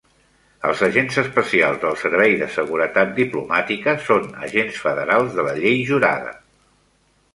Els agents especials del Servei de Seguretat Diplomàtica són agents federals de la llei jurada.